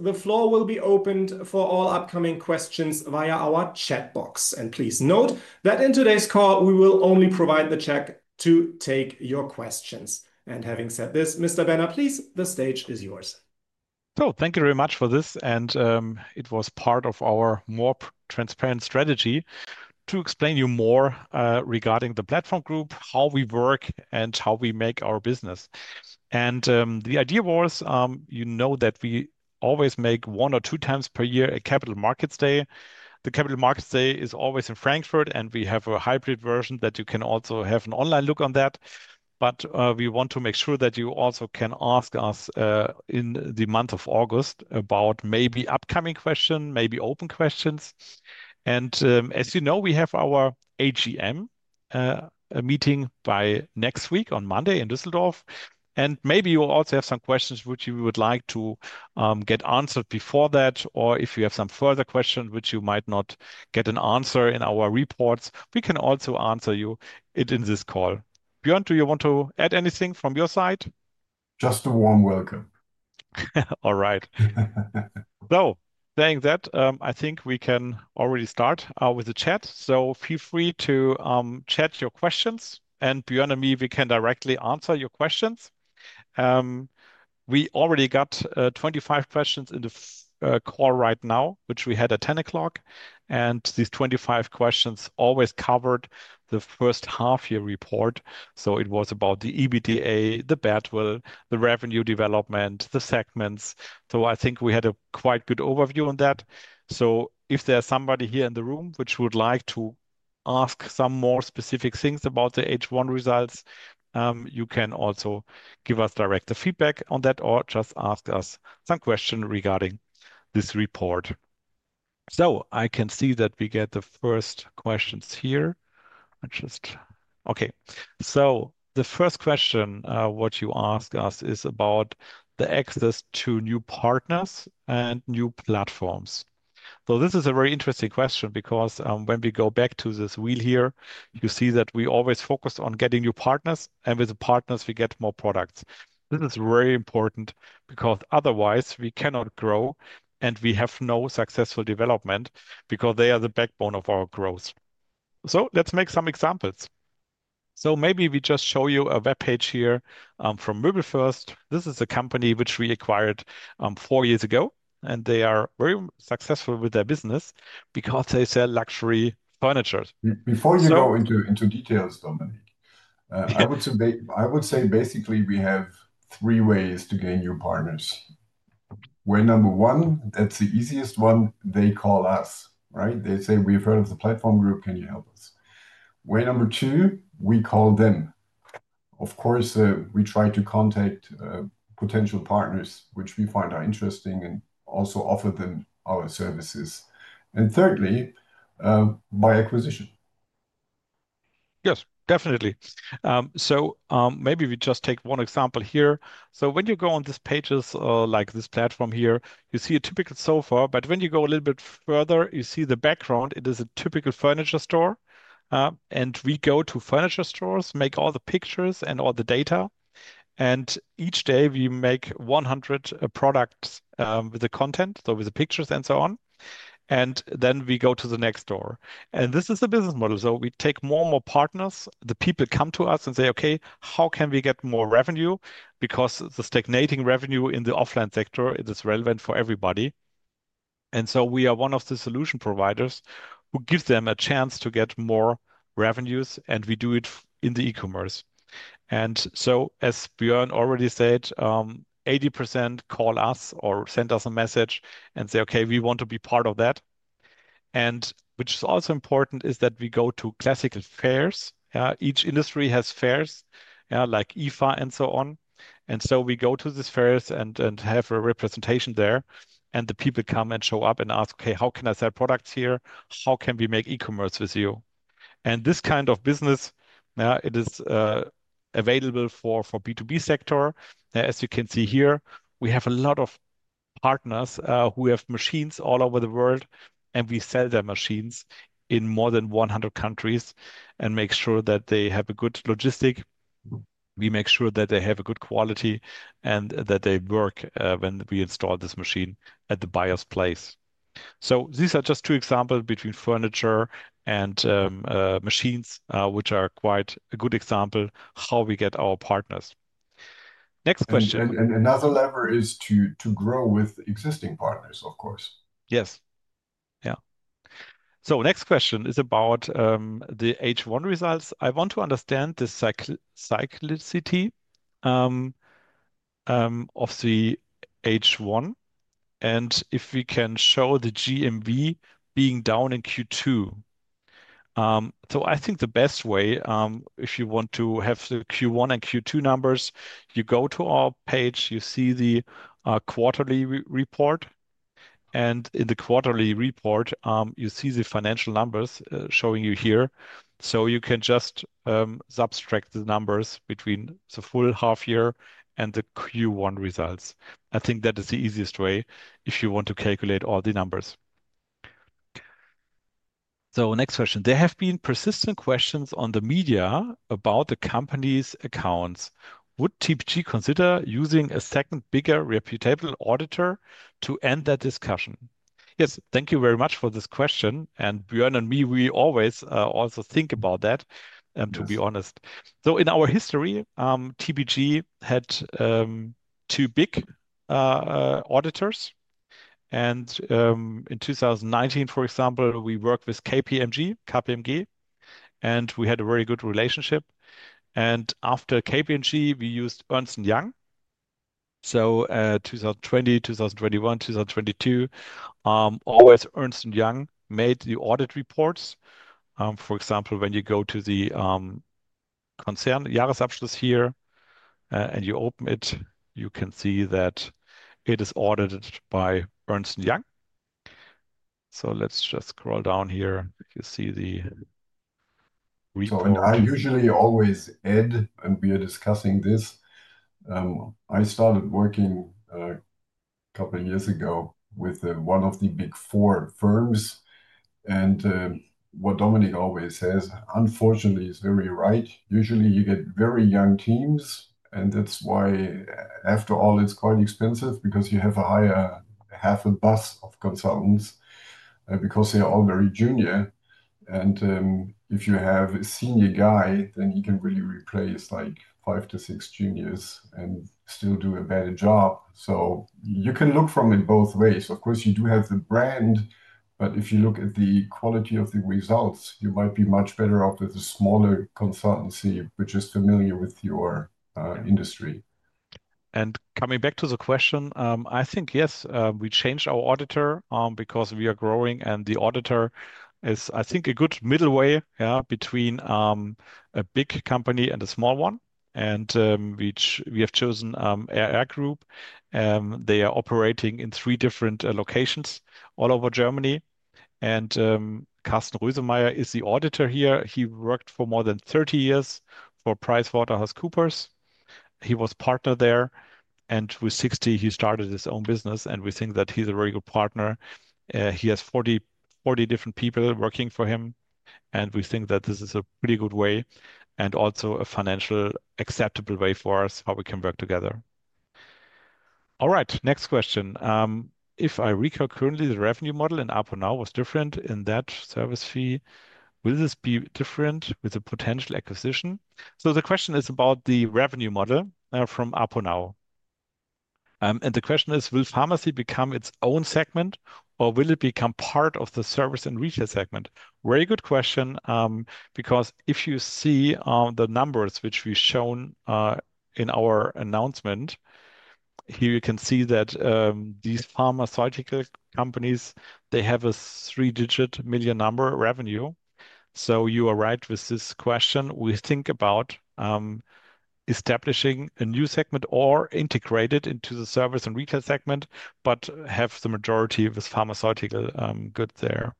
The floor will be opened for all upcoming questions via our chat box. Please note that in today's call, we will only provide the chat to take your questions. Having said this, Mr. Benner, please, the stage is yours. Oh, thank you very much for this. It was part of our more transparent strategy to explain to you more regarding The Platform Group, how we work, and how we make our business. The idea was, you know, that we always make one or two times per year a Capital Markets Day. The Capital Markets Day is always in Frankfurt. We have a hybrid version that you can also have an online look on that. We want to make sure that you also can ask us in the month of August about maybe upcoming questions, maybe open questions. As you know, we have our AGM meeting by next week on Monday in Düsseldorf. Maybe you will also have some questions which you would like to get answered before that. If you have some further questions which you might not get an answer in our reports, we can also answer you in this call. Bjoern, do you want to add anything from your side? Just a warm welcome. All right. Saying that, I think we can already start with the chat. Feel free to chat your questions. Björn and me, we can directly answer your questions. We already got 25 questions in the call right now, which we had at 10:00 o'clock. These 25 questions always covered the first half-year report. It was about the EBITDA, the BAT will, the revenue development, the segments. I think we had a quite good overview on that. If there's somebody here in the room who would like to ask some more specific things about the H1 results, you can also give us direct feedback on that or just ask us some questions regarding this report. I can see that we get the first questions here. The first question you ask us is about the access to new partners and new platforms. This is a very interesting question because when we go back to this wheel here, you see that we always focus on getting new partners. With the partners, we get more products. This is very important because otherwise, we cannot grow and we have no successful development because they are the backbone of our growth. Let's make some examples. Maybe we just show you a web page here from MöbelFirst. This is a company which we acquired four years ago. They are very successful with their business because they sell luxury furniture. Before you go into details, Dominik, I would say basically we have three ways to gain new partners. Way number one, that's the easiest one, they call us. Right? They say, we've heard of The Platform Group, can you help us? Way number two, we call them. Of course, we try to contact potential partners which we find are interesting and also offer them our services. Thirdly, by acquisition. Yes, definitely. Maybe we just take one example here. When you go on these pages like this platform here, you see a typical sofa. When you go a little bit further, you see the background. It is a typical furniture store. We go to furniture stores, make all the pictures and all the data. Each day, we make 100 products with the content, with the pictures and so on. Then we go to the next door. This is the business model. We take more and more partners. People come to us and say, OK, how can we get more revenue? The stagnating revenue in the offline sector is relevant for everybody. We are one of the solution providers who give them a chance to get more revenues. We do it in the e-commerce. As Björn already said, 80% call us or send us a message and say, OK, we want to be part of that. What is also important is that we go to classical fairs. Each industry has fairs, like IFA and so on. We go to these fairs and have a representation there. People come and show up and ask, OK, how can I sell products here? How can we make e-commerce with you? This kind of business is available for the B2B sector. As you can see here, we have a lot of partners who have machines all over the world. We sell their machines in more than 100 countries and make sure that they have good logistics. We make sure that they have good quality and that they work when we install this machine at the buyer's place. These are just two examples between furniture and machines, which are quite a good example of how we get our partners. Next question. Another lever is to grow with existing partners, of course. Yes. Yeah. Next question is about the H1 results. I want to understand the cyclicity of the H1 and if we can show the GMV being down in Q2. I think the best way, if you want to have the Q1 and Q2 numbers, you go to our page, you see the quarterly report. In the quarterly report, you see the financial numbers showing you here. You can just subtract the numbers between the full half-year and the Q1 results. I think that is the easiest way if you want to calculate all the numbers. Next question. There have been persistent questions in the media about the company's accounts. Would TPG consider using a second bigger reputable auditor to end that discussion? Yes, thank you very much for this question. Bjoern and me, we always also think about that, to be honest. In our history, TPG had two big auditors. In 2019, for example, we worked with KPMG. We had a very good relationship. After KPMG, we used Ernst & Young. In 2020, 2021, 2022, always Ernst & Young made the audit reports. For example, when you go to the Konzernjahresabschluss here, and you open it, you can see that it is audited by Ernst & Young. Let's just scroll down here. You see the report. I usually always add, we are discussing this, I started working a couple of years ago with one of the Big Four firms. What Dominik always says, unfortunately, he's very right. Usually, you get very young teams. That's why, after all, it's quite expensive because you have to hire half a bus of consultants because they are all very junior. If you have a senior guy, then he can really replace five to six juniors and still do a better job. You can look for them in both ways. Of course, you do have the brand. If you look at the quality of the results, you might be much better off with a smaller consultancy, which is familiar with your industry. Coming back to the question, yes, we changed our auditor because we are growing. The auditor is, I think, a good middle way between a big company and a small one. We have chosen RR Group. They are operating in three different locations all over Germany. Carsten Maschemeyer is the auditor here. He worked for more than 30 years for PricewaterhouseCoopers. He was a partner there. With 60, he started his own business. We think that he's a very good partner. He has 40 different people working for him. We think that this is a pretty good way and also a financially acceptable way for us, how we can work together. All right, next question. If I recur currently, the revenue model in ApoNow was different in that service fee. Will this be different with a potential acquisition? The question is about the revenue model from ApoNow. The question is, will pharmacy become its own segment or will it become part of the service and retail segment? Very good question. If you see the numbers which we've shown in our announcement, here you can see that these pharmaceutical companies have a three-digit million number revenue. You are right with this question. We think about establishing a new segment or integrating it into the service and retail segment, but have the majority of this pharmaceutical goods there.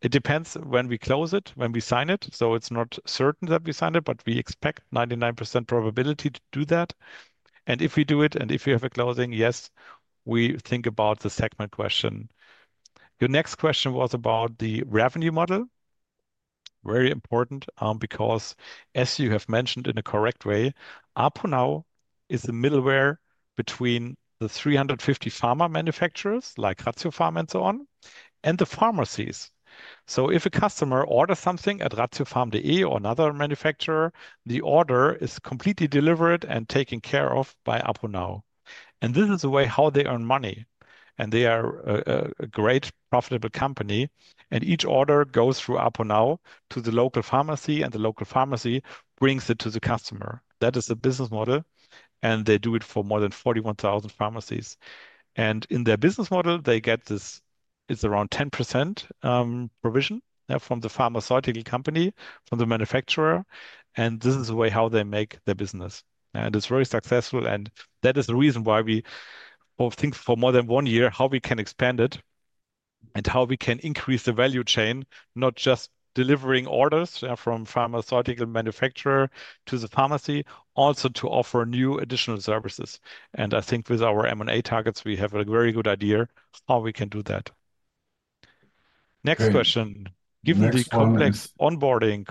It depends when we close it, when we sign it. It's not certain that we sign it. We expect 99% probability to do that. If we do it, and if we have a closing, yes, we think about the segment question. Your next question was about the revenue model. Very important. As you have mentioned in a correct way, ApoNow is the middleware between the 350 pharma manufacturers like Ratiopharm and so on and the pharmacies. If a customer orders something at Ratiopharm.de or another manufacturer, the order is completely delivered and taken care of by ApoNow. This is the way how they earn money. They are a great profitable company. Each order goes through ApoNow to the local pharmacy. The local pharmacy brings it to the customer. That is the business model. They do it for more than 41,000 pharmacies. In their business model, they get this, it's around 10% provision from the pharmaceutical company, from the manufacturer. This is the way how they make their business. It's very successful. That is the reason why we think for more than one year how we can expand it and how we can increase the value chain, not just delivering orders from pharmaceutical manufacturer to the pharmacy, also to offer new additional services. I think with our M&A targets, we have a very good idea how we can do that. Next question. Given the complex onboarding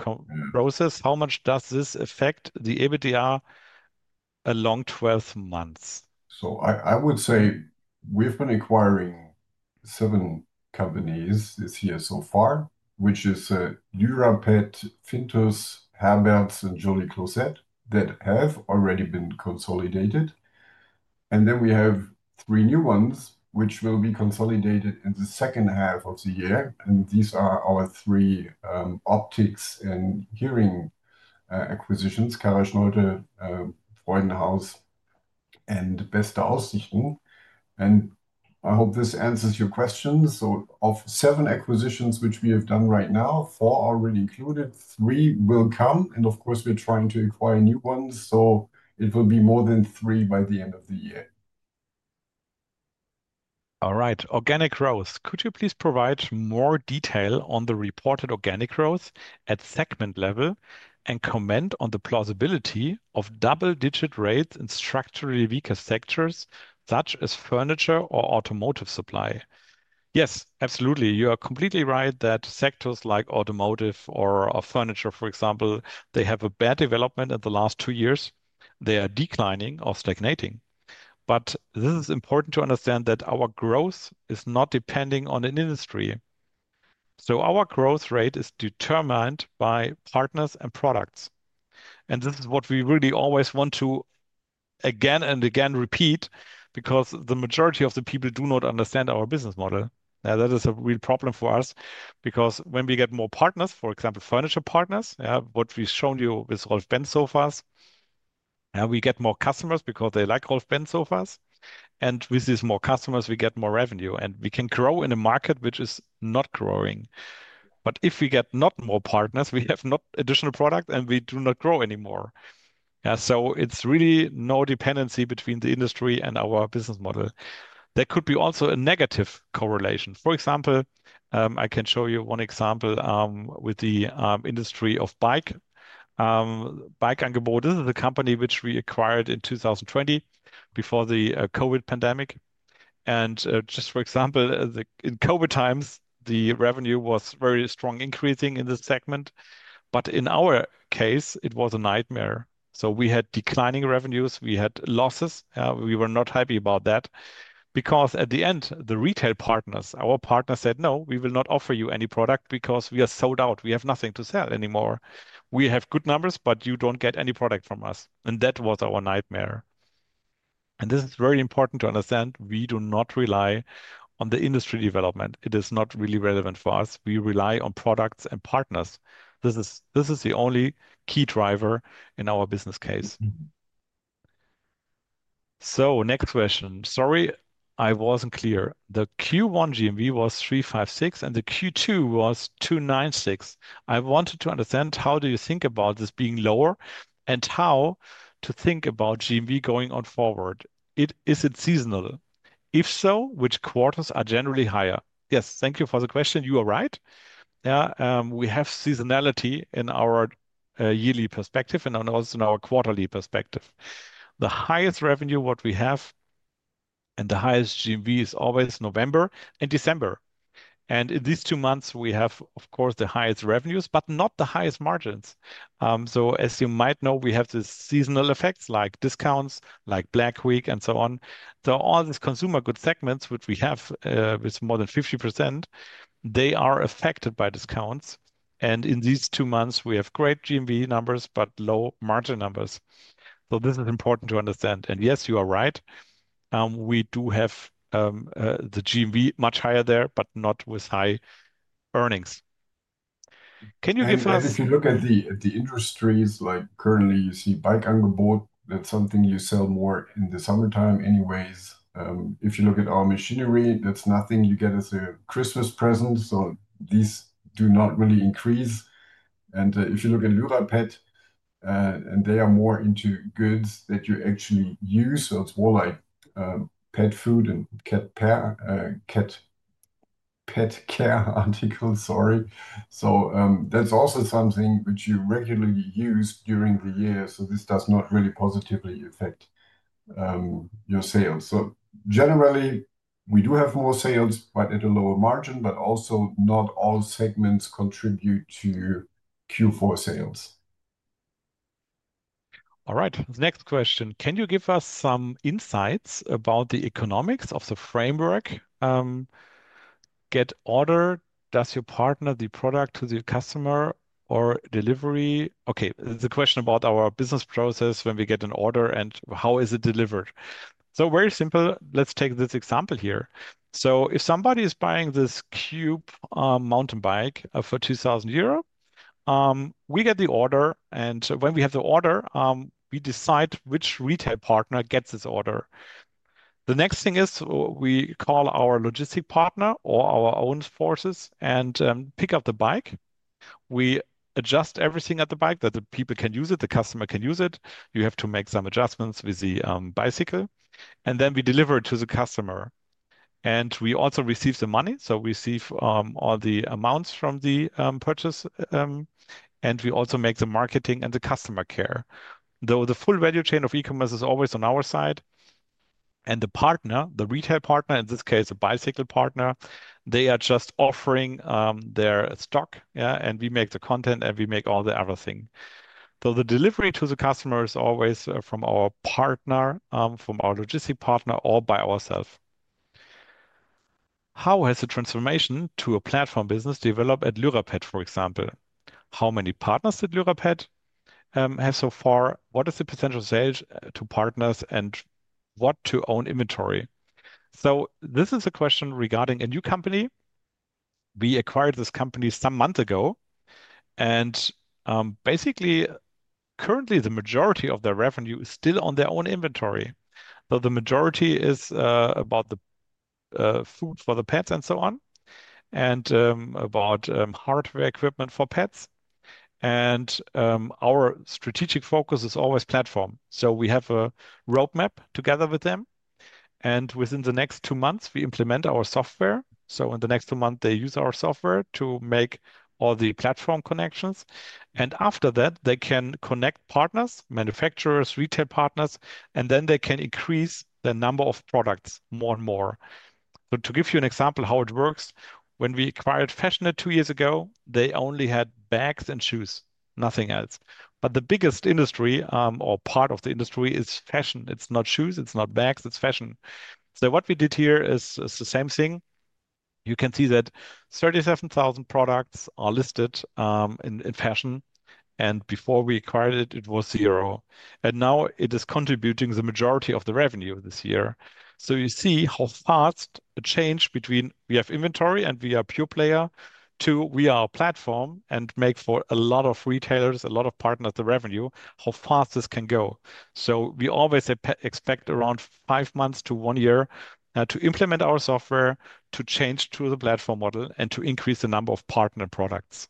process, how much does this affect the EBITDA along 12 months? I would say we've been acquiring seven companies this year so far, which is Europet, Fintus, Herberts, and Joli Closet that have already been consolidated. We have three new ones which will be consolidated in the second half of the year. These are our three optics and hearing acquisitions: Karlsruhe, Freudenhaus Optik Handels-GmbH, and Beste Aussichten GmbH. I hope this answers your question. Of seven acquisitions which we have done right now, four are already included. Three will come. Of course, we're trying to acquire new ones. It will be more than three by the end of the year. All right. Organic growth. Could you please provide more detail on the reported organic growth at segment-level and comment on the plausibility of double-digit rates in structurally weaker sectors such as furniture or automotive supply? Yes, absolutely. You are completely right that sectors like automotive or furniture, for example, they have had a bad development in the last two years. They are declining or stagnating. This is important to understand that our growth is not depending on an industry. Our growth rate is determined by partners and products. This is what we really always want to again and again repeat because the majority of the people do not understand our business model. That is a real problem for us. When we get more partners, for example, furniture partners, what we've shown you with Rolf Benz Sofas, we get more customers because they like Rolf Benz Sofas. With these more customers, we get more revenue. We can grow in a market which is not growing. If we get not more partners, we have not additional product. We do not grow anymore. It's really no dependency between the industry and our business model. There could be also a negative correlation. For example, I can show you one example with the industry of bike. Bike-Angebot, this is a company which we acquired in 2020 before the COVID pandemic. Just for example, in COVID times, the revenue was very strongly increasing in this segment. In our case, it was a nightmare. We had declining revenues. We had losses. We were not happy about that. At the end, the retail partners, our partners said, no, we will not offer you any product because we are sold out. We have nothing to sell anymore. We have good numbers, but you don't get any product from us. That was our nightmare. This is very important to understand. We do not rely on the industry development. It is not really relevant for us. We rely on products and partners. This is the only key driver in our business case. Next question. Sorry, I wasn't clear. The Q1 GMV was EUR EI356 million. The Q2 was 296 million. I wanted to understand how do you think about this being lower and how to think about GMV going on forward. Is it seasonal? If so, which quarters are generally higher? Yes, thank you for the question. You are right. We have seasonality in our yearly perspective and also in our quarterly perspective. The highest revenue that we have and the highest GMV is always November and December. In these two months, we have, of course, the highest revenues, but not the highest margins. As you might know, we have the seasonal effects like discounts, like Black Week, and so on. All these consumer goods segments, which we have with more than 50%, are affected by discounts. In these two months, we have great GMV numbers, but low margin numbers. This is important to understand. Yes, you are right. We do have the GMV much higher there, but not with high earnings. Can you give us? If you look at the industries, like currently, you see bike Angebot, that's something you sell more in the summertime anyways. If you look at our machinery, that's nothing you get as a Christmas present. These do not really increase. If you look at Lyra Pet, they are more into goods that you actually use. It's more like pet food and pet care articles. That's also something which you regularly use during the year. This does not really positively affect your sales. Generally, we do have more sales, but at a lower margin. Also, not all segments contribute to Q4 sales. All right. Next question. Can you give us some insights about the economics of the framework? Get order, does your partner the product to the customer or delivery? OK, it's a question about our business process when we get an order and how is it delivered. Very simple, let's take this example here. If somebody is buying this Cube mountain bike for 2,000 euro, we get the order. When we have the order, we decide which retail partner gets this order. The next thing is we call our logistic partner or our own forces and pick up the bike. We adjust everything at the bike that the people can use it, the customer can use it. You have to make some adjustments with the bicycle. We deliver it to the customer. We also receive the money. We receive all the amounts from the purchase. We also make the marketing and the customer care. The full value chain of e-commerce is always on our side. The partner, the retail partner, in this case, the bicycle partner, they are just offering their stock. We make the content. We make all the other thing. The delivery to the customer is always from our partner, from our logistic partner, or by ourselves. How has the transformation to a platform business developed at Lyra Pet, for example? How many partners did Lyra Pet have so far? What is the potential sales to partners? And what to own inventory? This is a question regarding a new company. We acquired this company some months ago. Currently, the majority of their revenue is still on their own inventory. The majority is about the food for the pets and so on and about hardware equipment for pets. Our strategic focus is always platform. We have a roadmap together with them. Within the next two months, we implement our software. In the next two months, they use our software to make all the platform connections. After that, they can connect partners, manufacturers, retail partners. They can increase the number of products more and more. To give you an example of how it works, when we acquired Fashionette two years ago, they only had bags and shoes, nothing else. The biggest industry or part of the industry is fashion. It's not shoes. It's not bags. It's fashion. What we did here is the same thing. You can see that 37,000 products are listed in fashion. Before we acquired it, it was zero. Now it is contributing the majority of the revenue this year. You see how fast the change between we have inventory and we are pure player to we are a platform and make for a lot of retailers, a lot of partners the revenue, how fast this can go. We always expect around five months to one year to implement our software, to change to the platform model, and to increase the number of partner products.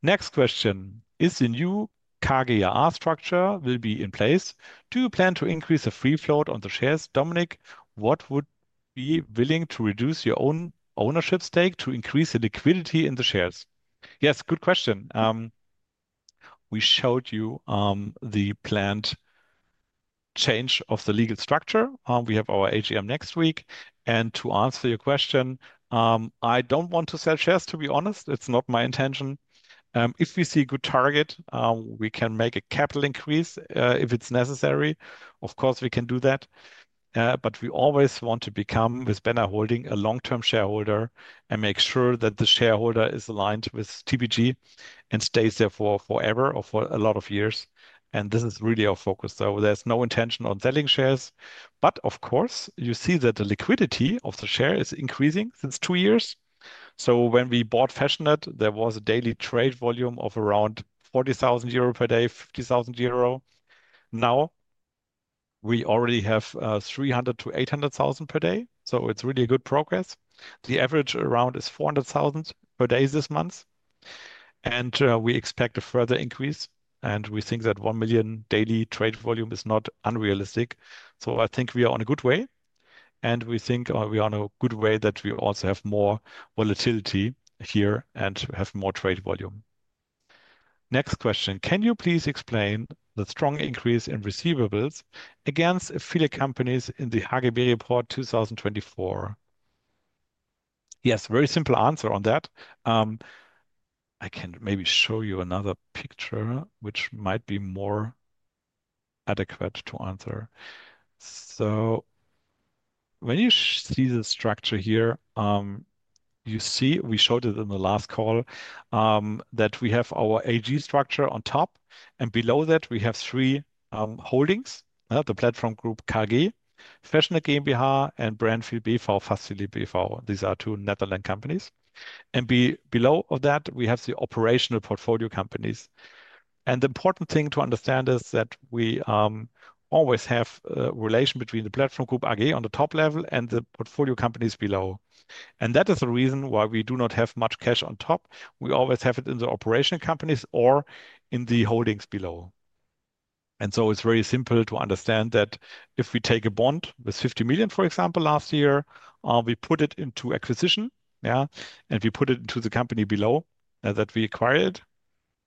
Next question. Is the new Cargill R structure will be in place? Do you plan to increase the free float on the shares? Dominik, would you be willing to reduce your own ownership stake to increase the liquidity in the shares? Yes, good question. We showed you the planned change of the legal structure. We have our AGM next week. To answer your question, I don't want to sell shares, to be honest. It's not my intention. If we see a good target, we can make a capital increase if it's necessary. Of course, we can do that. We always want to become with Benner Holding a long-term shareholder and make sure that the shareholder is aligned with TPG and stays there for forever or for a lot of years. This is really our focus. There's no intention on selling shares. Of course, you see that the liquidity of the share is increasing since two years. When we bought Fashionette, there was a daily trade volume of around 40,000 euro per day, 50,000 euro. Now we already have 300,000-800,000 per day. It's really a good progress. The average around is 400,000 per day this month. We expect a further increase. We think that 1 million daily trade volume is not unrealistic. I think we are on a good way. We think we are on a good way that we also have more volatility here and have more trade volume. Next question. Can you please explain the strong increase in receivables against affiliate companies in the Hage by report 2024? Yes, very simple answer on that. I can maybe show you another picture, which might be more adequate to answer. When you see the structure here, you see we showed it in the last call that we have our AG structure on top. Below that, we have three holdings, The Platform Group, Cargill, Fashionette GmbH, and Brandfield BV, FastFili BV. These are two Netherlands companies. Below that, we have the operational portfolio companies. The important thing to understand is that we always have a relation between The Platform Group AG on the top level, and the portfolio companies below. That is the reason why we do not have much cash on top. We always have it in the operating companies or in the holdings below. It's very simple to understand that if we take a bond with 50 million, for example, last year, we put it into acquisition, and we put it into the company below that we acquired.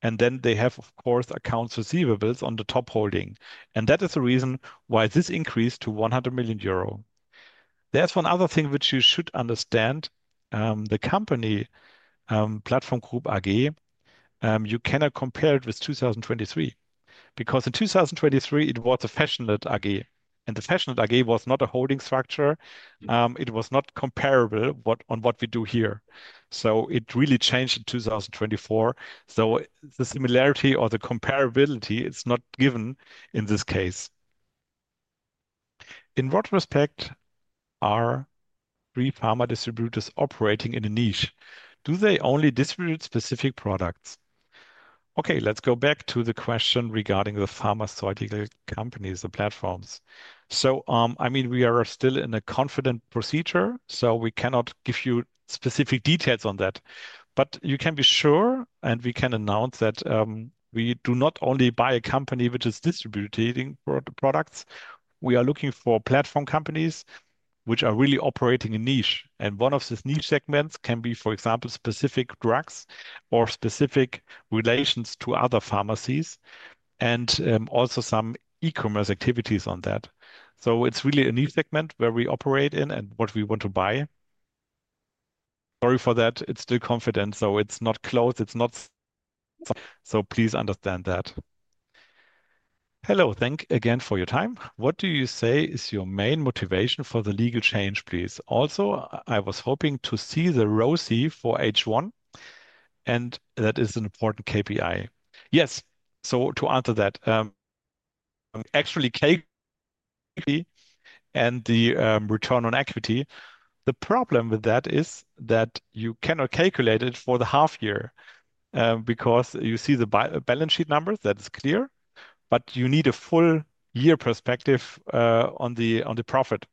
Then they have, of course, accounts receivables on the top holding. That is the reason why this increased to 100 million euro. There's one other thing which you should understand. The company, The Platform Group AG, you cannot compare it with 2023 because in 2023, it was Fashionette AG. Fashionette AG was not a holding structure. It was not comparable to what we do here. It really changed in 2024. The similarity or the comparability is not given in this case. In what respect are three pharma distributors operating in a niche? Do they only distribute specific products? OK, let's go back to the question regarding the pharmaceutical companies, the platforms. We are still in a confident procedure, so we cannot give you specific details on that. You can be sure, and we can announce that we do not only buy a company which is distributing products. We are looking for platform companies which are really operating in a niche. One of these niche segments can be, for example, specific drugs or specific relations to other pharmacies and also some e-commerce activities on that. It's really a niche segment where we operate in and what we want to buy. Sorry for that. It's still confident. It's not closed. Please understand that. Hello. Thank you again for your time. What do you say is your main motivation for the legal change, please? Also, I was hoping to see the ROC for H1, and that is an important KPI. Yes. To answer that, actually, KPI and the return on equity, the problem with that is that you cannot calculate it for the half year because you see the balance sheet numbers. That is clear, but you need a full year perspective on the profit.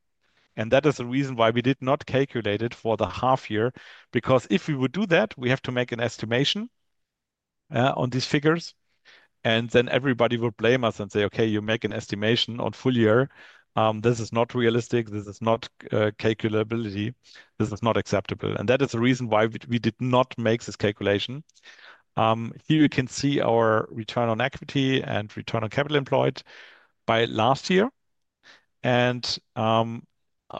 That is the reason why we did not calculate it for the half year. If we would do that, we have to make an estimation on these figures, and then everybody would blame us and say, OK, you make an estimation on full year. This is not realistic. This is not calculability. This is not acceptable. That is the reason why we did not make this calculation. Here you can see our return on equity and return on capital employed by last year, and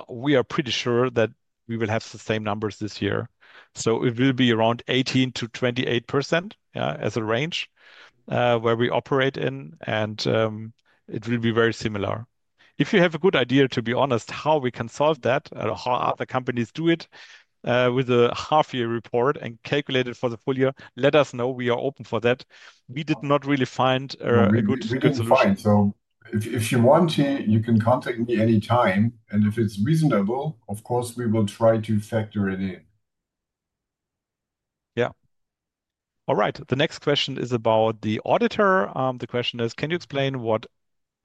we are pretty sure that we will have the same numbers this year. It will be around 18%-28% as a range where we operate in, and it will be very similar. If you have a good idea, to be honest, how we can solve that, how other companies do it with a half-year report and calculate it for the full year, let us know. We are open for that. We did not really find a good solution. We're doing fine. If you want to, you can contact me anytime. If it's reasonable, of course, we will try to factor it in. Yeah. All right. The next question is about the auditor. The question is, can you explain what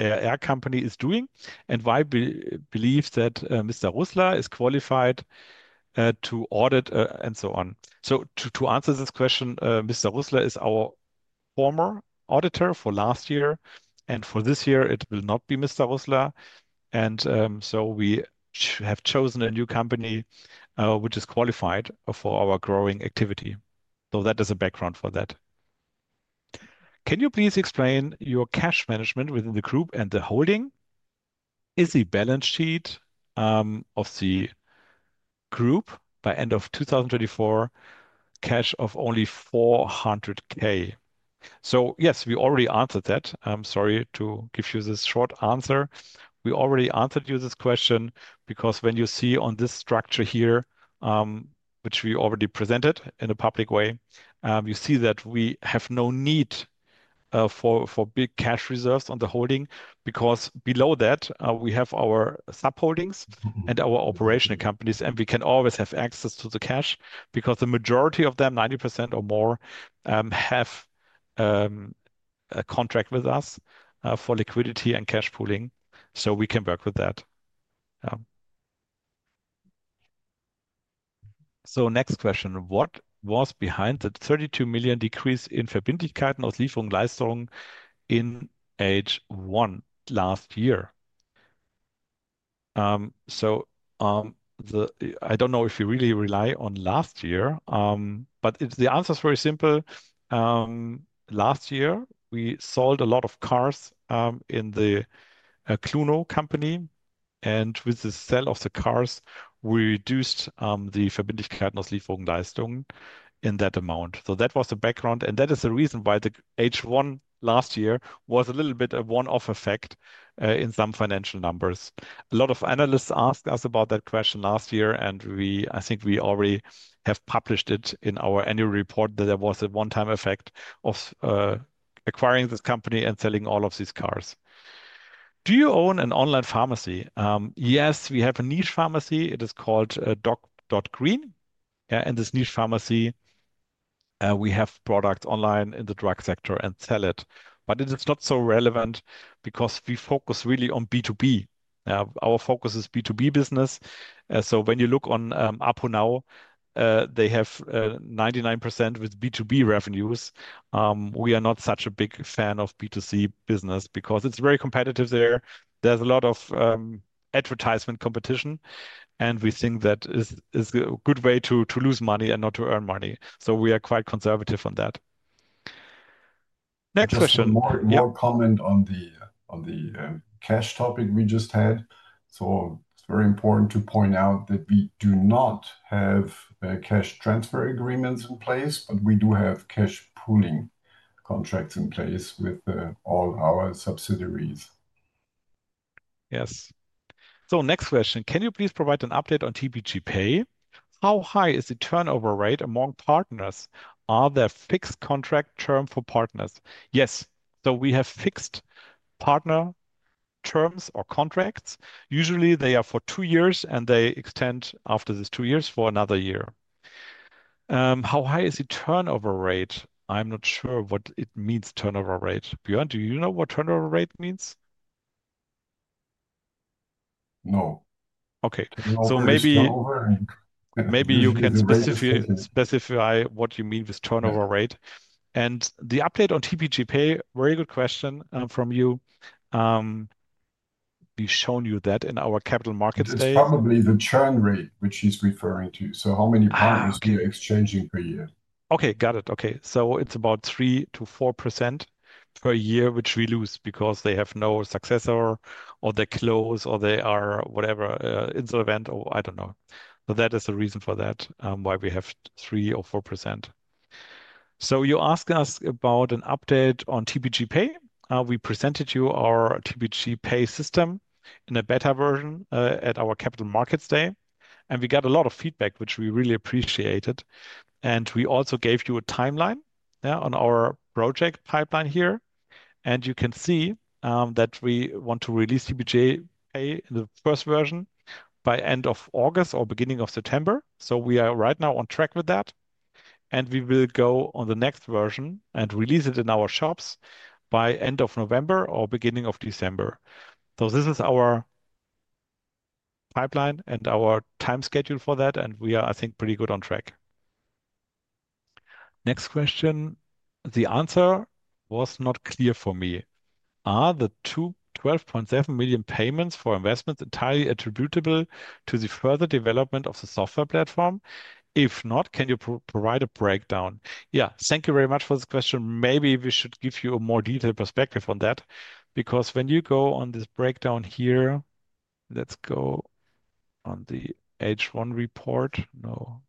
RR Group is doing and why we believe that Mr. Roesler is qualified to audit and so on? To answer this question, Mr. Roesler is our former auditor for last year. For this year, it will not be Mr. Roesler. We have chosen a new company which is qualified for our growing activity. That is a background for that. Can you please explain your cash management within the group and the holding? Is the balance sheet of the group by end of 2024 cash of only 400,000? Yes, we already answered that. I'm sorry to give you this short answer. We already answered you this question because when you see on this structure here, which we already presented in a public way, you see that we have no need for big cash reserves on the holding. Below that, we have our sub-holdings and our operational companies. We can always have access to the cash because the majority of them, 90% or more, have a contract with us for liquidity and cash pooling. We can work with that. Next question. What was behind the 32 million decrease in Verbindlichkeiten aus Lieferung und Leistungen in H1 last year? I don't know if we really rely on last year. The answer is very simple. Last year, we sold a lot of cars in the Cluno company. With the sale of the cars, we reduced the Verbindlichkeiten aus Lieferung und Leistungen in that amount. That was the background. That is the reason why the H1 last year was a little bit a one-off effect in some financial numbers. A lot of analysts asked us about that question last year. I think we already have published it in our annual report that there was a one-time effect of acquiring this company and selling all of these cars. Do you own an online pharmacy? Yes, we have a niche pharmacy. It is called Doc.Green. This niche pharmacy, we have products online in the drug sector and sell it. It's not so relevant because we focus really on B2B. Our focus is B2B business. When you look on ApoNow, they have 99% with B2B revenues. We are not such a big fan of B2C business because it's very competitive there. There's a lot of advertisement competition. We think that is a good way to lose money and not to earn money. We are quite conservative on that. Next question. More comment on the cash topic we just had. It is very important to point out that we do not have cash transfer agreements in place, but we do have cash pooling contracts in place with all our subsidiaries. Yes. Next question. Can you please provide an update on TPG Pay? How high is the turnover rate among partners? Are there fixed contract terms for partners? Yes. We have fixed partner terms or contracts. Usually, they are for two years, and they extend after these two years for another year. How high is the turnover rate? I'm not sure what it means, turnover rate. Bjoern, do you know what turnover rate means? No. OK. Maybe you can specify what you mean with turnover rate. The update on TPG Pay, very good question from you. We've shown you that in our Capital Markets Day. It's probably the churn rate, which he's referring to. How many partners get exchanged in per year? OK, got it. OK. It's about 3%-4% per year, which we lose because they have no successor or they close or they are, whatever, insolvent or I don't know. That is the reason for that, why we have 3% or 4%. You asked us about an update on TPG Pay. We presented you our TPG Pay system in a beta version at our Capital Markets Day. We got a lot of feedback, which we really appreciated. We also gave you a timeline on our project pipeline here. You can see that we want to release TPG Pay in the first version by end of August or beginning of September. We are right now on track with that. We will go on the next version and release it in our shops by end of November or beginning of December. This is our pipeline and our time schedule for that. We are, I think, pretty good on track. Next question. The answer was not clear for me. Are the two 12.7 million payments for investments entirely attributable to the further development of the software platform? If not, can you provide a breakdown? Yeah, thank you very much for this question. Maybe we should give you a more detailed perspective on that. When you go on this breakdown here, let's go on the H1 report. No.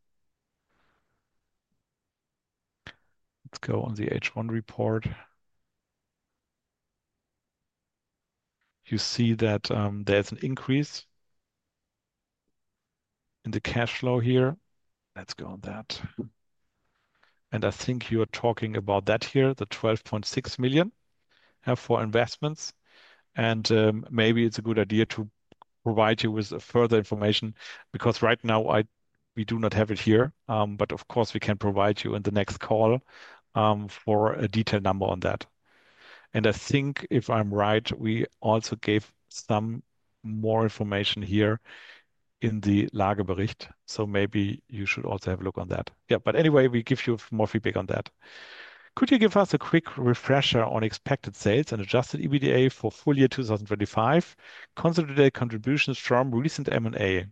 Let's go on the H1 report. You see that there's an increase in the cash flow here. Let's go on that. I think you're talking about that here, the 12.6 million for investments. Maybe it's a good idea to provide you with further information. Right now, we do not have it here. Of course, we can provide you in the next call for a detailed number on that. I think, if I'm right, we also gave some more information here in the Lagerbericht. Maybe you should also have a look on that. Yeah, anyway, we give you more feedback on that. Could you give us a quick refresher on expected sales and adjusted EBITDA for full year 2025? Consider the contributions from recent M&A.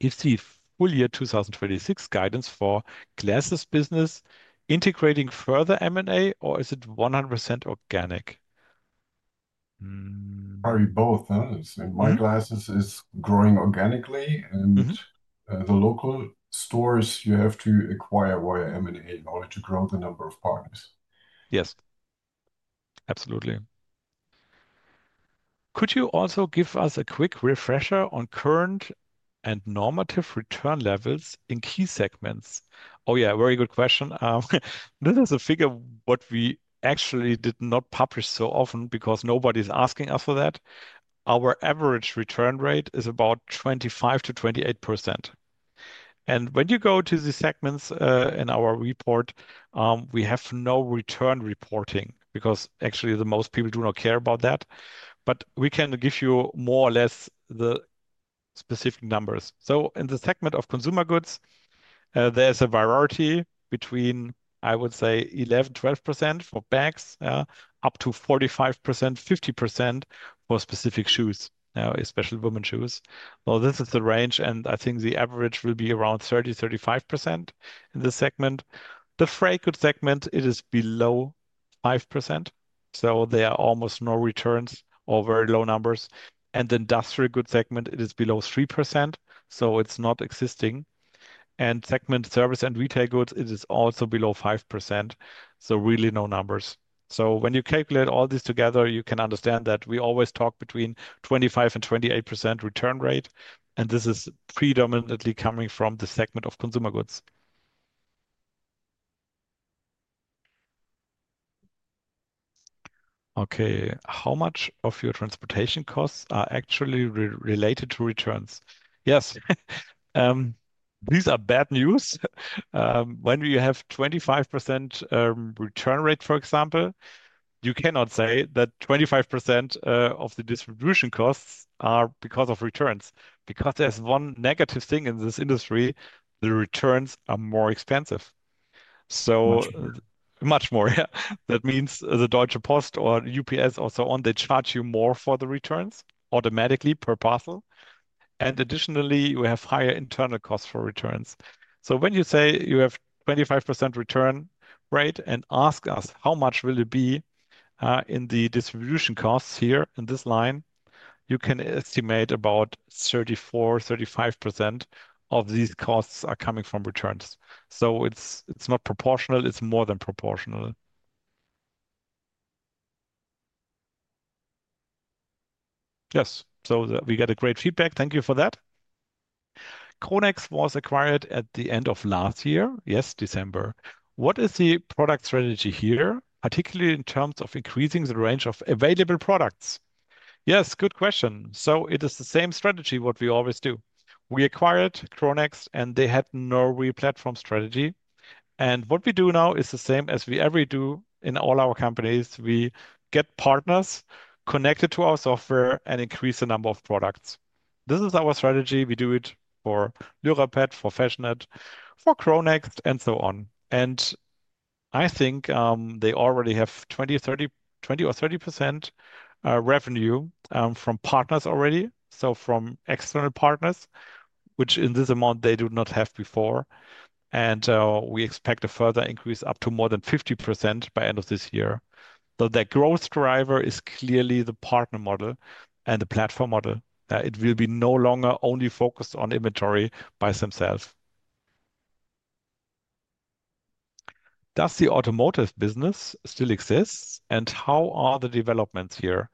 Is the full year 2026 guidance for Glasses business integrating further M&A? Or is it 100% organic? Sorry, both. One Glasses is growing organically. The local stores, you have to acquire via M&A in order to grow the number of partners. Yes, absolutely. Could you also give us a quick refresher on current and normative return levels in key segments? Oh, yeah, very good question. This is a figure we actually did not publish so often because nobody is asking us for that. Our average return rate is about 25%-28%. When you go to the segments in our report, we have no return reporting because actually, most people do not care about that. We can give you more or less the specific numbers. In the segment of consumer goods, there's a variety between, I would say, 11%, 12% for bags, up to 45%, 50% for specific shoes, especially women's shoes. This is the range. I think the average will be around 30%, 35% in this segment. The freight goods segment, it is below 5%. There are almost no returns or very low numbers. In the industrial goods segment, it is below 3%. It's not existing. In segment service and retail goods, it is also below 5%. Really no numbers. When you calculate all this together, you can understand that we always talk between 25% and 28% return rate. This is predominantly coming from the segment of consumer goods. OK, how much of your transportation costs are actually related to returns? Yes. These are bad news. When we have a 25% return rate, for example, you cannot say that 25% of the distribution costs are because of returns. There is one negative thing in this industry, the returns are more expensive. Much more. Much more. Yeah. That means the Deutsche Post or UPS or so on, they charge you more for the returns automatically per parcel. Additionally, you have higher internal costs for returns. When you say you have a 25% return rate and ask us how much will it be in the distribution costs here in this line, you can estimate about 34%, 35% of these costs are coming from returns. It's not proportional. It's more than proportional. Yes. We got great feedback. Thank you for that. CHRONEXT was acquired at the end of last year. Yes, December. What is the product strategy here, particularly in terms of increasing the range of available products? Yes, good question. It is the same strategy we always do. We acquired CHRONEXT, and they had no real platform strategy. What we do now is the same as we ever do in all our companies. We get partners connected to our software and increase the number of products. This is our strategy. We do it for Lurapet, for Fashionette, for CHRONEXT, and so on. I think they already have 20% or 30% revenue from partners already, so from external partners, which in this amount they did not have before. We expect a further increase up to more than 50% by the end of this year. That growth driver is clearly the partner model and the platform model. It will be no longer only focused on inventory by themselves. Does the automotive business still exist? How are the developments here?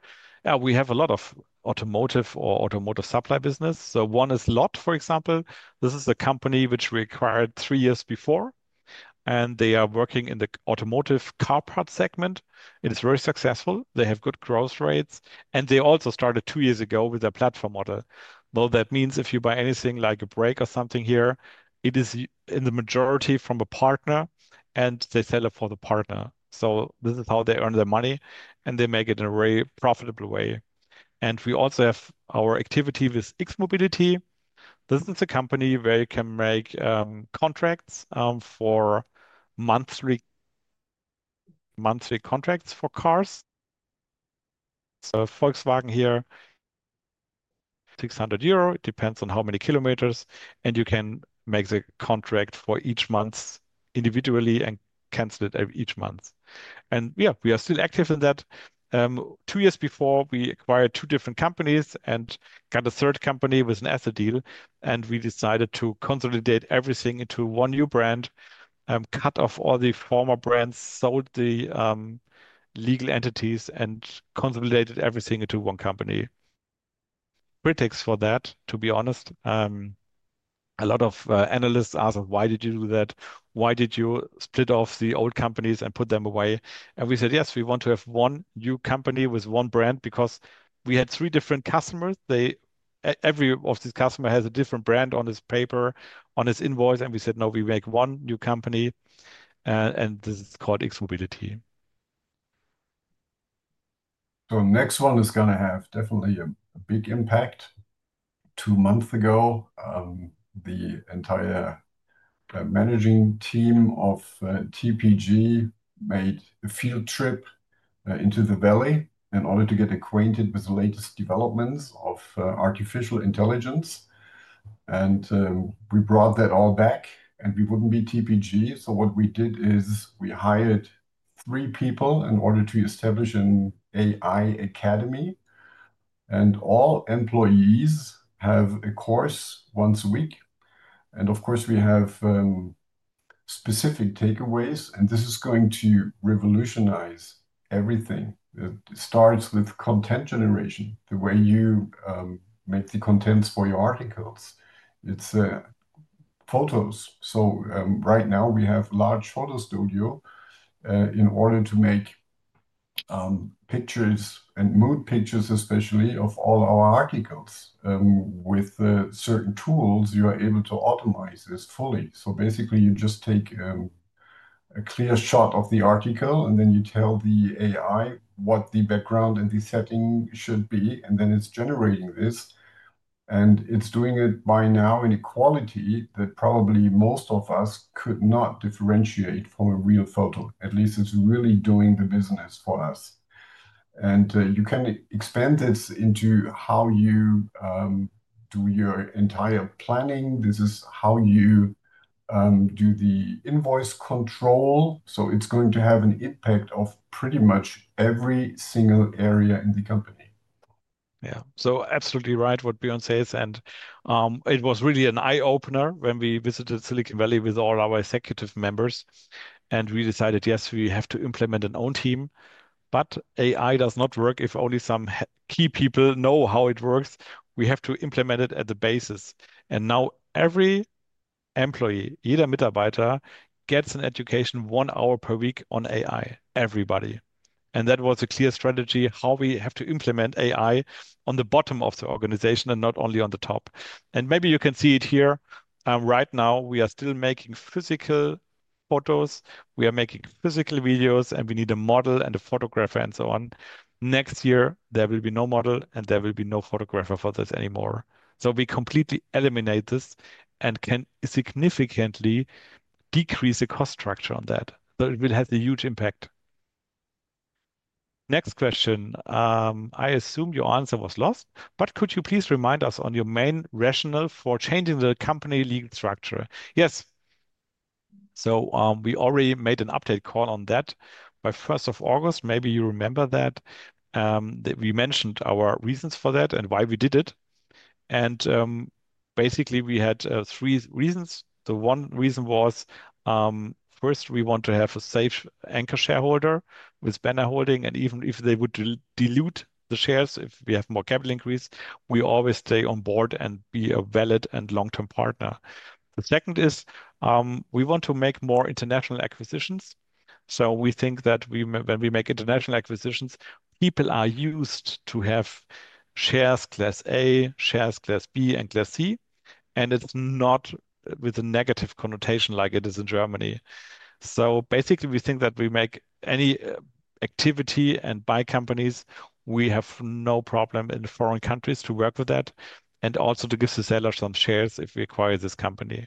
We have a lot of automotive or automotive supply business. One is LOT, for example. This is a company which we acquired three years before, and they are working in the automotive car parts segment. It is very successful. They have good growth rates, and they also started two years ago with a platform model. That means if you buy anything like a brake or something here, it is in the majority from a partner, and they sell it for the partner. This is how they earn their money, and they make it in a very profitable way. We also have our activity with X-Mobility. This is a company where you can make contracts for monthly contracts for cars. Volkswagen here, 600 euro. It depends on how many kilometers, and you can make the contract for each month individually and cancel it each month. Yeah, we are still active in that. Two years before, we acquired two different companies and got a third company with an asset deal. We decided to consolidate everything into one new brand, cut off all the former brands, sold the legal entities, and consolidated everything into one company. There were critics for that, to be honest. A lot of analysts asked, why did you do that? Why did you split off the old companies and put them away? We said, yes, we want to have one new company with one brand because we had three different customers. Every one of these customers has a different brand on his paper, on his invoice. We said, no, we make one new company. This is called X-Mobility. The next one is going to have definitely a big impact. Two months ago, the entire managing team of TPG made a field trip into the valley in order to get acquainted with the latest developments of AI. We brought that all back. We wouldn't be TPG. What we did is we hired three people in order to establish an AI academy. All employees have a course once a week. Of course, we have specific takeaways. This is going to revolutionize everything. It starts with content generation, the way you make the contents for your articles. It's photos. Right now, we have a large photo studio in order to make pictures and mood pictures, especially of all our articles. With certain tools, you are able to optimize this fully. Basically, you just take a clear shot of the article. Then you tell the AI what the background and the setting should be. It's generating this. It's doing it by now in a quality that probably most of us could not differentiate from a real photo. At least it's really doing the business for us. You can expand this into how you do your entire planning. This is how you do the invoice control. It's going to have an impact on pretty much every single area in the company. Yeah, absolutely right what Bjoern says. It was really an eye-opener when we visited Silicon Valley with all our executive members. We decided, yes, we have to implement an own team. AI does not work if only some key people know how it works. We have to implement it at the basis. Now every employee, jeder Mitarbeiter, gets an education one hour per week on AI, everybody. That was a clear strategy, how we have to implement AI on the bottom of the organization and not only on the top. Maybe you can see it here. Right now, we are still making physical photos. We are making physical videos. We need a model and a photographer and so on. Next year, there will be no model. There will be no photographer for this anymore. We completely eliminate this and can significantly decrease the cost structure on that. It has a huge impact. Next question. I assume your answer was lost. Could you please remind us on your main rationale for changing the company legal structure? Yes. We already made an update call on that by August 1. Maybe you remember that. We mentioned our reasons for that and why we did it. Basically, we had three reasons. The one reason was, first, we want to have a safe anchor shareholder with Benner Holding. Even if they would dilute the shares, if we have more capital increase, we always stay on board and be a valid and long-term partner. The second is we want to make more international acquisitions. We think that when we make international acquisitions, people are used to have shares class A, shares class B, and class C. It's not with a negative connotation like it is in Germany. Basically, we think that we make any activity and buy companies, we have no problem in foreign countries to work with that and also to give the seller some shares if we acquire this company.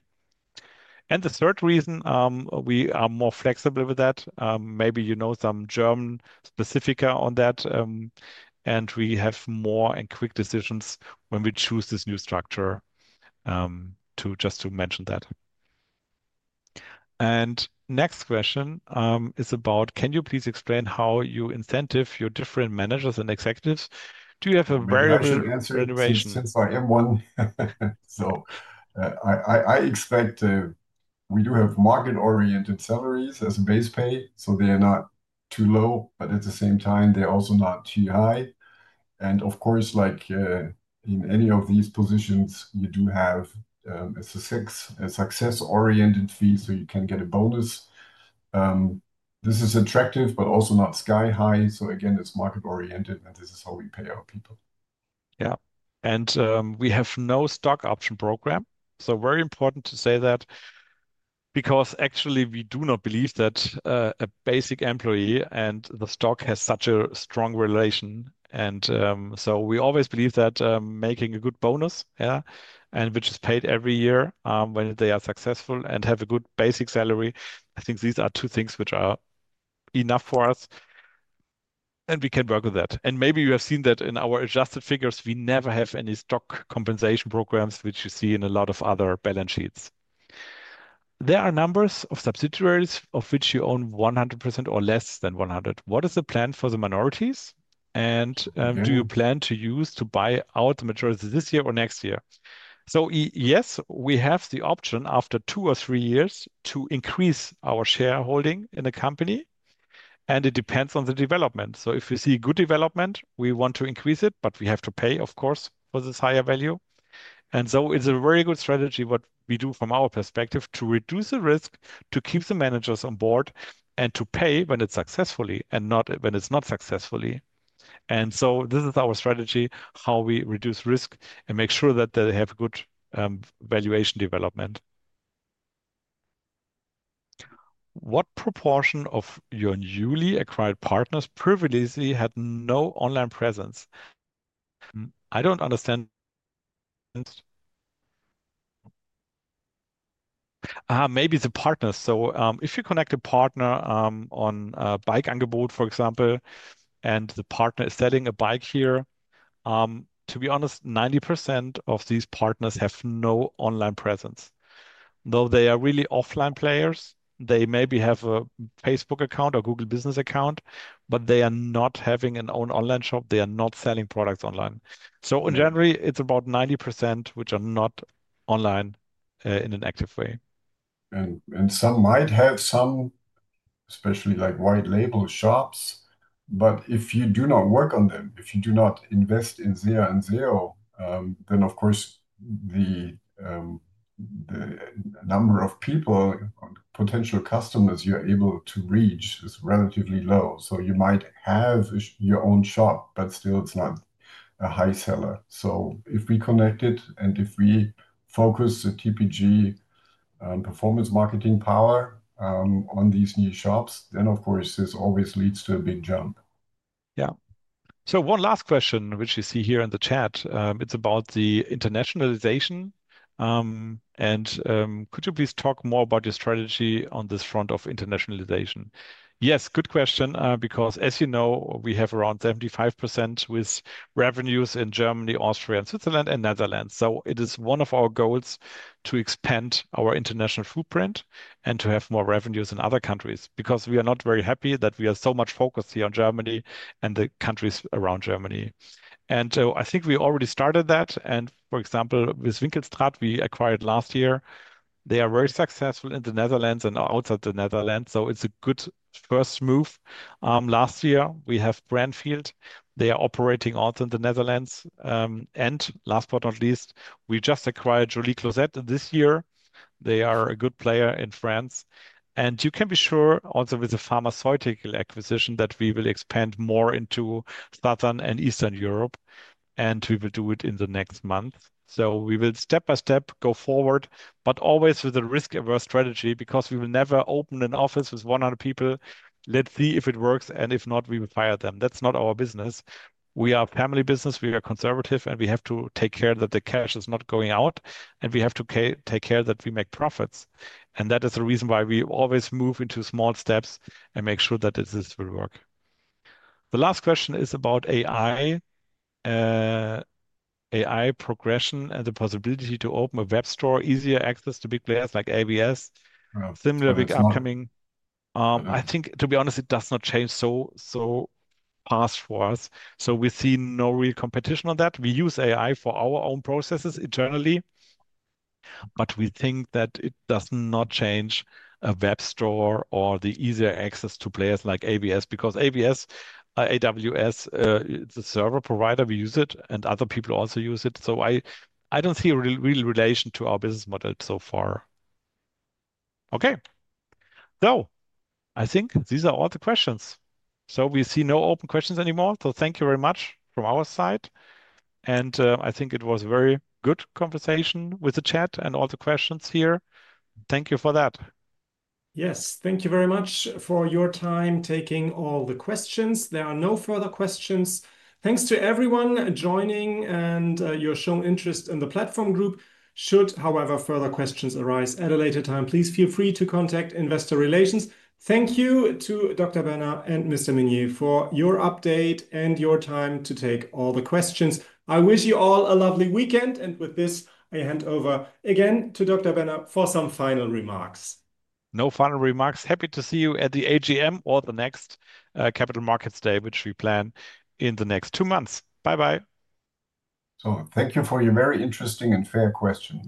The third reason, we are more flexible with that. Maybe you know some German specifics on that. We have more and quicker decisions when we choose this new structure, just to mention that. The next question is about, can you please explain how you incentive your different managers and executives? Do you have a variable remuneration? Since I am one, I expect we do have market-oriented salaries as a base pay. They are not too low, but at the same time, they're also not too high. Of course, like in any of these positions, you do have a success-oriented fee, so you can get a bonus. This is attractive, but also not sky-high. Again, it's market-oriented. This is how we pay our people. Yeah. We have no stock option program. It's very important to say that because actually, we do not believe that a basic employee and the stock have such a strong relation. We always believe that making a good bonus, which is paid every year when they are successful, and having a good basic salary, I think these are two things which are enough for us. We can work with that. Maybe you have seen that in our adjusted figures, we never have any stock compensation programs, which you see in a lot of other balance sheets. There are numbers of subsidiaries of which you own 100% or less than 100%. What is the plan for the minorities? Do you plan to buy out the majority this year or next year? Yes, we have the option after two or three years to increase our shareholding in the company. It depends on the development. If we see a good development, we want to increase it, but we have to pay, of course, for this higher value. It's a very good strategy from our perspective to reduce the risk, to keep the managers on board, and to pay when it's successful and not when it's not successful. This is our strategy, how we reduce risk and make sure that they have good valuation development. What proportion of your newly acquired partners previously had no online presence? I don't understand. Maybe the partners. If you connect a partner on Bike Angebot, for example, and the partner is selling a bike here, to be honest, 90% of these partners have no online presence. They are really offline players. They maybe have a Facebook account or Google Business account, but they are not having their own online shop. They are not selling products online. In general, it's about 90% which are not online in an active way. Some might have some, especially like white-label shops. If you do not work on them, if you do not invest in zero and zero, the number of people, potential customers you're able to reach is relatively low. You might have your own shop, but still, it's not a high seller. If we connect it and if we focus TPG and performance marketing power on these new shops, this always leads to a Bing Zhang. Yeah. One last question, which you see here in the chat, it's about the internationalization. Could you please talk more about your strategy on this front of internationalization? Yes, good question. As you know, we have around 75% with revenues in Germany, Austria, Switzerland, and Netherlands. It is one of our goals to expand our international footprint and to have more revenues in other countries. We are not very happy that we are so much focused here on Germany and the countries around Germany. I think we already started that. For example, with Winkelstraat we acquired last year. They are very successful in the Netherlands and outside the Netherlands. It's a good first move. Last year, we have Brandfield. They are operating also in the Netherlands. Last but not least, we just acquired Joli Closet this year. They are a good player in France. You can be sure also with the pharmaceutical acquisition that we will expand more into Southern and Eastern Europe. We will do it in the next month. We will step by step go forward, always with a risk-averse strategy. We will never open an office with 100 people. Let's see if it works. If not, we will fire them. That's not our business. We are a family business. We are conservative. We have to take care that the cash is not going out. We have to take care that we make profits. That is the reason why we always move into small steps and make sure that this will work. The last question is about AI, AI progression, and the possibility to open a web store, easier access to big players like AWS, similar big upcoming. To be honest, it does not change so fast for us. We see no real competition on that. We use AI for our own processes internally. We think that it does not change a web store or the easier access to players like AWS. AWS is a server provider. We use it. Other people also use it. I don't see a real relation to our business model so far. OK. These are all the questions. We see no open questions anymore. Thank you very much from our side. I think it was a very good conversation with the chat and all the questions here. Thank you for that. Yes, thank you very much for your time taking all the questions. There are no further questions. Thanks to everyone joining and your shown interest in The Platform Group. Should, however, further questions arise at a later time, please feel free to contact Investor Relations. Thank you to Dr. Dominik Benner and Mr. Bjoern Minnier for your update and your time to take all the questions. I wish you all a lovely weekend. With this, I hand over again to Dr. Dominik Benner for some final remarks. No final remarks. Happy to see you at the AGM or the next Capital Markets Day, which we plan in the next two months. Bye-bye. Oh, thank you for your very interesting and fair question.